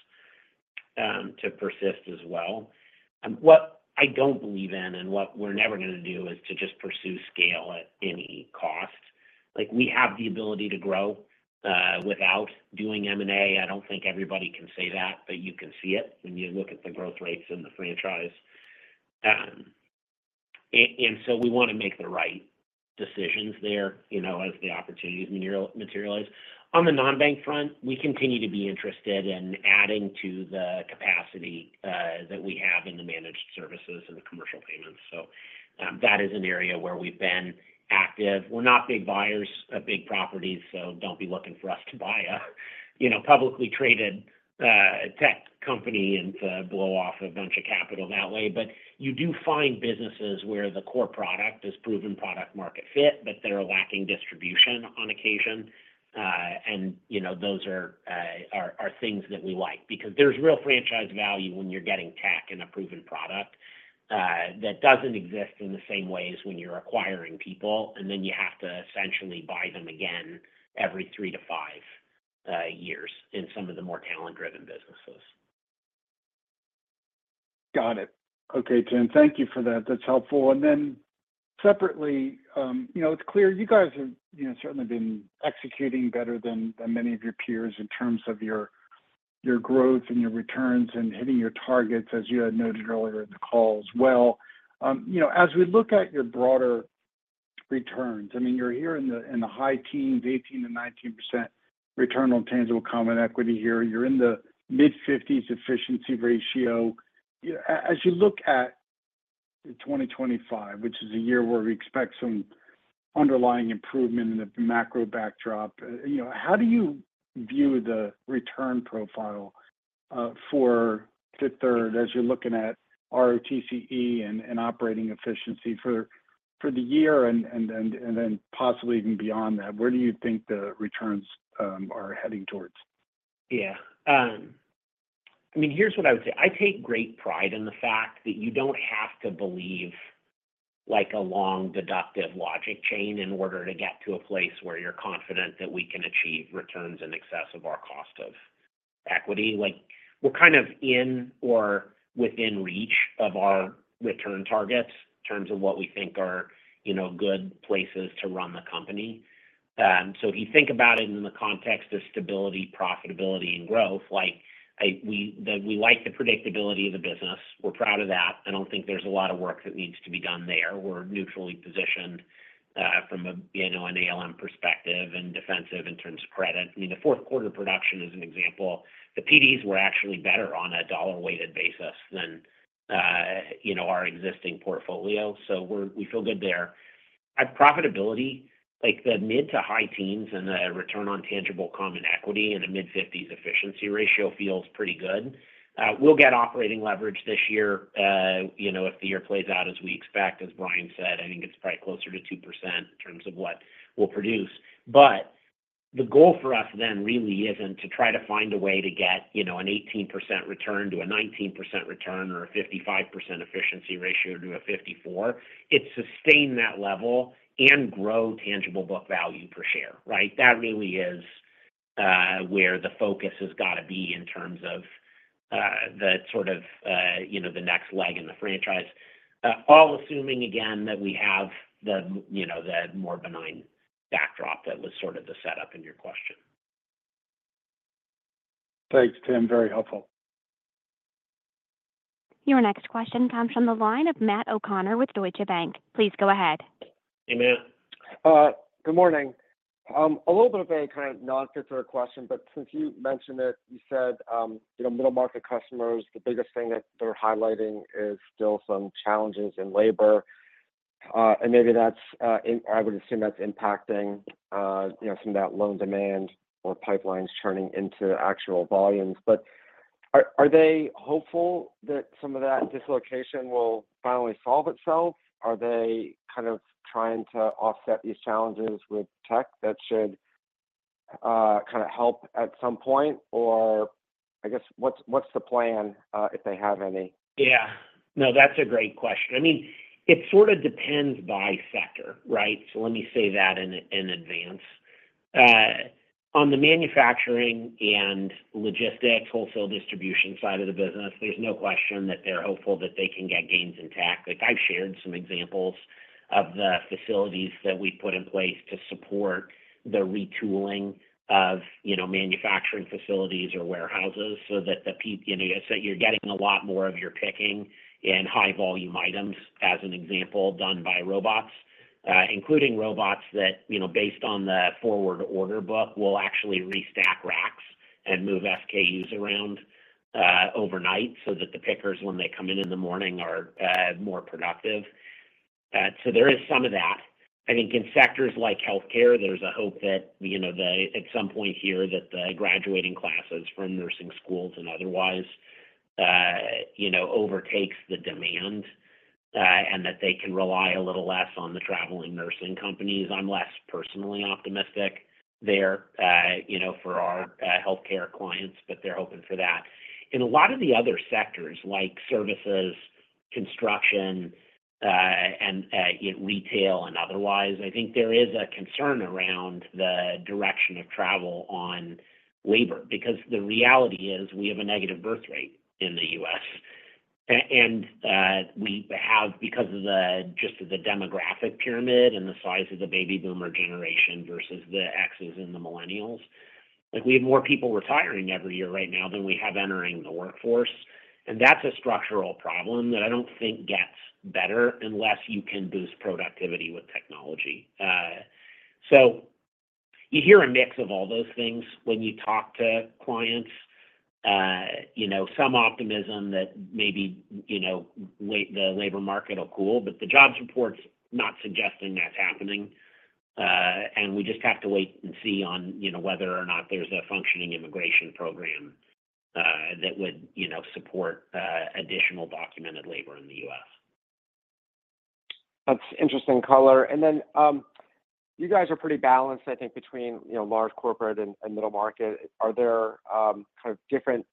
to persist as well. What I don't believe in and what we're never going to do is to just pursue scale at any cost. We have the ability to grow without doing M&A. I don't think everybody can say that, but you can see it when you look at the growth rates in the franchise. And so we want to make the right decisions there as the opportunities materialize. On the non-bank front, we continue to be interested in adding to the capacity that we have in the managed services and the commercial payments. So that is an area where we've been active. We're not big buyers of big properties, so don't be looking for us to buy a publicly traded tech company and blow off a bunch of capital that way. But you do find businesses where the core product is proven product-market fit, but they're lacking distribution on occasion. And those are things that we like because there's real franchise value when you're getting tech and a proven product that doesn't exist in the same ways when you're acquiring people, and then you have to essentially buy them again every three to five years in some of the more talent-driven businesses. Got it. Okay, Tim. Thank you for that. That's helpful. Then separately, it's clear you guys have certainly been executing better than many of your peers in terms of your growth and your returns and hitting your targets, as you had noted earlier in the call as well. As we look at your broader returns, I mean, you're here in the high teens, 18%-19% return on tangible common equity here. You're in the mid-50s efficiency ratio. As you look at 2025, which is a year where we expect some underlying improvement in the macro backdrop, how do you view the return profile for Fifth Third as you're looking at ROTCE and operating efficiency for the year and then possibly even beyond that? Where do you think the returns are heading toward? Yeah. I mean, here's what I would say. I take great pride in the fact that you don't have to believe a long deductive logic chain in order to get to a place where you're confident that we can achieve returns in excess of our cost of equity. We're kind of in or within reach of our return targets in terms of what we think are good places to run the company. So if you think about it in the context of stability, profitability, and growth, we like the predictability of the business. We're proud of that. I don't think there's a lot of work that needs to be done there. We're neutrally positioned from an ALM perspective and defensive in terms of credit. I mean, the fourth quarter production is an example. The PDs were actually better on a dollar-weighted basis than our existing portfolio. So we feel good there. Profitability, the mid- to high-teens and the return on tangible common equity and a mid-50s efficiency ratio feels pretty good. We'll get operating leverage this year if the year plays out as we expect. As Bryan said, I think it's probably closer to 2% in terms of what we'll produce. But the goal for us then really isn't to try to find a way to get an 18% return to a 19% return or a 55% efficiency ratio to a 54%. It's sustain that level and grow tangible book value per share, right? That really is where the focus has got to be in terms of that sort of the next leg in the franchise, all assuming, again, that we have the more benign backdrop that was sort of the setup in your question. Thanks, Tim. Very helpful. Your next question comes from the line of Matt O'Connor with Deutsche Bank. Please go ahead. Hey, Matt. Good morning. A little bit of a kind of non-Fifth Third question, but since you mentioned it, you said middle market customers, the biggest thing that they're highlighting is still some challenges in labor. And maybe I would assume that's impacting some of that loan demand or pipelines turning into actual volumes. But are they hopeful that some of that dislocation will finally solve itself? Are they kind of trying to offset these challenges with tech that should kind of help at some point? Or I guess what's the plan if they have any? Yeah. No, that's a great question. I mean, it sort of depends by sector, right? So let me say that in advance. On the manufacturing and logistics, wholesale distribution side of the business, there's no question that they're hopeful that they can get gains in tech. I've shared some examples of the facilities that we've put in place to support the retooling of manufacturing facilities or warehouses so that you're getting a lot more of your picking and high-volume items, as an example, done by robots, including robots that, based on the forward order book, will actually restack racks and move SKUs around overnight so that the pickers, when they come in in the morning, are more productive. So there is some of that. I think in sectors like healthcare, there's a hope that at some point here that the graduating classes from nursing schools and otherwise overtake the demand and that they can rely a little less on the traveling nursing companies. I'm less personally optimistic there for our healthcare clients, but they're hoping for that. In a lot of the other sectors like services, construction, and retail, and otherwise, I think there is a concern around the direction of travel on labor because the reality is we have a negative birth rate in the U.S., and we have, because of just the demographic pyramid and the size of the baby boomer generation versus the Xers and the millennials, we have more people retiring every year right now than we have entering the workforce, and that's a structural problem that I don't think gets better unless you can boost productivity with technology, so you hear a mix of all those things when you talk to clients, some optimism that maybe the labor market will cool, but the jobs report's not suggesting that's happening. And we just have to wait and see on whether or not there's a functioning immigration program that would support additional documented labor in the U.S. That's interesting color. And then you guys are pretty balanced, I think, between large corporate and middle market. Are there kind of different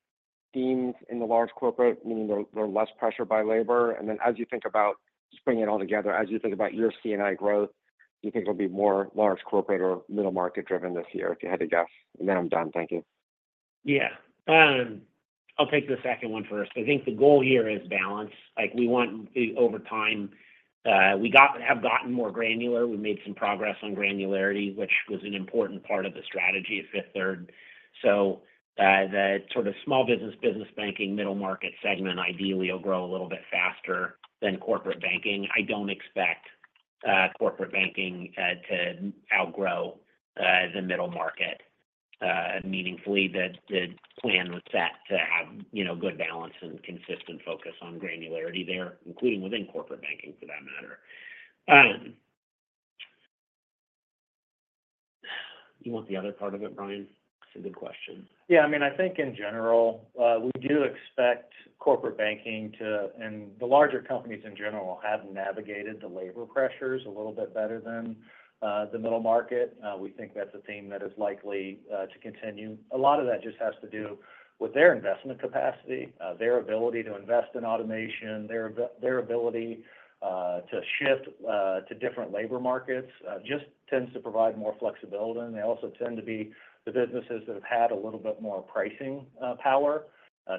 themes in the large corporate, meaning they're less pressured by labor? And then as you think about just bringing it all together, as you think about your C&I growth, do you think it'll be more large corporate or middle market-driven this year if you had to guess? And then I'm done. Thank you. Yeah. I'll take the second one first. I think the goal here is balance. We want over time, we have gotten more granular. We made some progress on granularity, which was an important part of the strategy of Fifth Third. So the sort of small business, business banking, middle market segment ideally will grow a little bit faster than corporate banking. I don't expect corporate banking to outgrow the middle market meaningfully. The plan was set to have good balance and consistent focus on granularity there, including within corporate banking for that matter. You want the other part of it, Bryan? That's a good question. Yeah. I mean, I think in general, we do expect corporate banking to, and the larger companies in general, have navigated the labor pressures a little bit better than the middle market. We think that's a theme that is likely to continue. A lot of that just has to do with their investment capacity, their ability to invest in automation, their ability to shift to different labor markets just tends to provide more flexibility. They also tend to be the businesses that have had a little bit more pricing power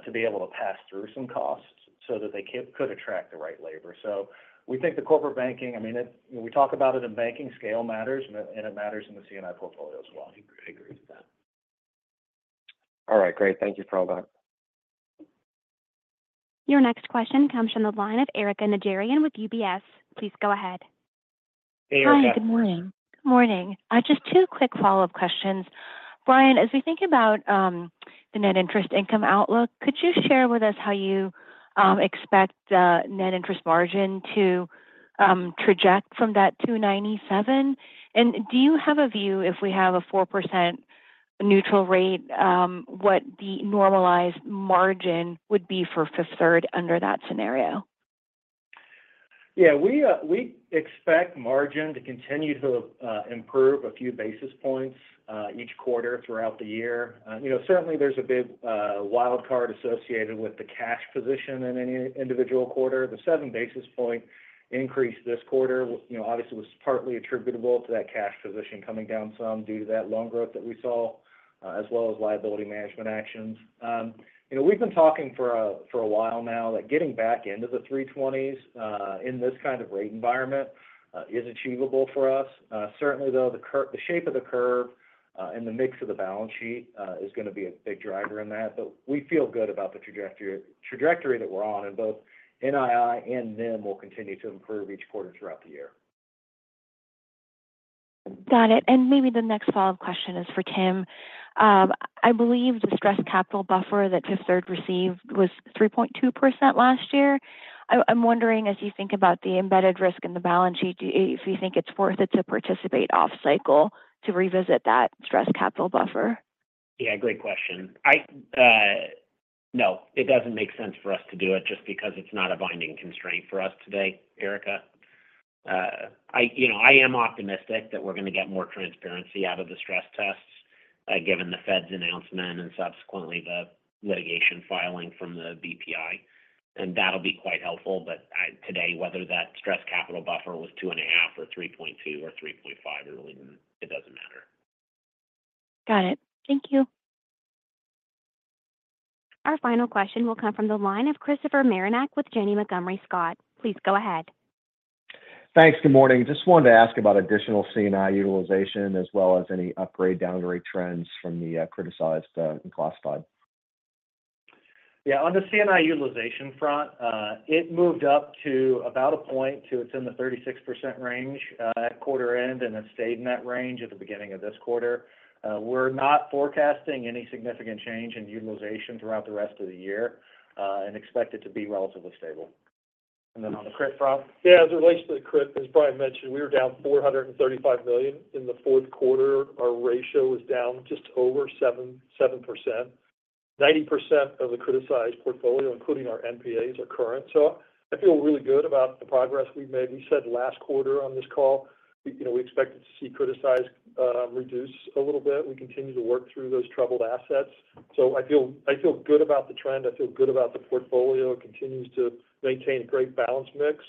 to be able to pass through some costs so that they could attract the right labor. So we think the corporate banking. I mean, we talk about it in banking scale matters, and it matters in the C&I portfolio as well. I agree with that. All right. Great. Thank you for all that. Your next question comes from the line of Erika Najarian with UBS. Please go ahead. Hey, Erika. Hi. Good morning. Good morning. Just two quick follow-up questions. Bryan, as we think about the net interest income outlook, could you share with us how you expect the net interest margin trajectory from that 297? And do you have a view, if we have a 4% neutral rate, what the normalized margin would be for Fifth Third under that scenario? Yeah. We expect margin to continue to improve a few basis points each quarter throughout the year. Certainly, there's a big wildcard associated with the cash position in any individual quarter. The 7 basis point increase this quarter, obviously, was partly attributable to that cash position coming down some due to that loan growth that we saw, as well as liability management actions. We've been talking for a while now that getting back into the 320s in this kind of rate environment is achievable for us. Certainly, though, the shape of the curve and the mix of the balance sheet is going to be a big driver in that. But we feel good about the trajectory that we're on, and both NII and NIM will continue to improve each quarter throughout the year. Got it. And maybe the next follow-up question is for Tim. I believe the stress capital buffer that Fifth Third received was 3.2% last year. I'm wondering, as you think about the embedded risk in the balance sheet, if you think it's worth it to participate off-cycle to revisit that stress capital buffer? Yeah. Great question. No, it doesn't make sense for us to do it just because it's not a binding constraint for us today, Erika. I am optimistic that we're going to get more transparency out of the stress tests given the Fed's announcement and subsequently the litigation filing from the BPI. And that'll be quite helpful. But today, whether that stress capital buffer was 2.5% or 3.2% or 3.5% or even it doesn't matter. Got it. Thank you. Our final question will come from the line of Christopher Marinac with Janney Montgomery Scott. Please go ahead. Thanks. Good morning. Just wanted to ask about additional C&I utilization as well as any upgrade boundary trends from the criticized and classified? Yeah. On the C&I utilization front, it moved up to about a point. It's in the 36% range at quarter end, and it stayed in that range at the beginning of this quarter. We're not forecasting any significant change in utilization throughout the rest of the year and expect it to be relatively stable. And then on the crit front. Yeah. As it relates to the crit, as Bryan mentioned, we were down $435 million in the fourth quarter. Our ratio is down just over 7%. 90% of the criticized portfolio, including our NPAs, are current. So I feel really good about the progress we've made. We said last quarter on this call, we expected to see criticized reduce a little bit. We continue to work through those troubled assets. So I feel good about the trend. I feel good about the portfolio. It continues to maintain a great balance mix,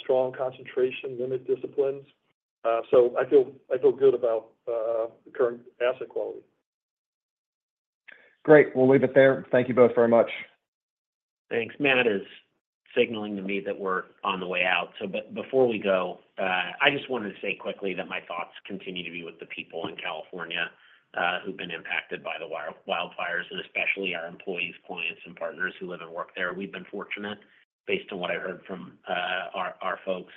strong concentration, limit disciplines. So I feel good about the current asset quality. Great. We'll leave it there. Thank you both very much. Thanks. Matt is signaling to me that we're on the way out. But before we go, I just wanted to say quickly that my thoughts continue to be with the people in California who've been impacted by the wildfires, and especially our employees, clients, and partners who live and work there. We've been fortunate based on what I heard from our folks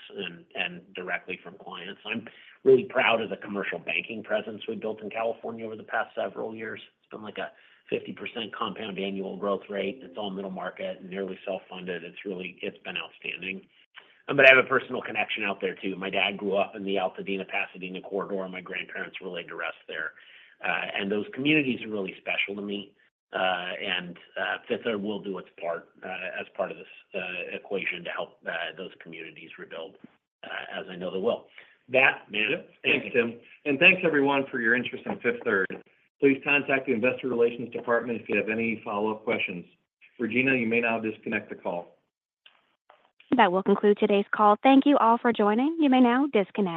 and directly from clients. I'm really proud of the commercial banking presence we've built in California over the past several years. It's been like a 50% compound annual growth rate. It's all middle market, nearly self-funded. It's been outstanding. But I have a personal connection out there too. My dad grew up in the Altadena-Pasadena corridor. My grandparents were laid to rest there, and those communities are really special to me, and Fifth Third will do its part as part of this equation to help those communities rebuild as I know they will. Matt, man. Thanks, Tim, and thanks, everyone, for your interest in Fifth Third. Please contact the investor relations department if you have any follow-up questions. Regina, you may now disconnect the call. That will conclude today's call. Thank you all for joining. You may now disconnect.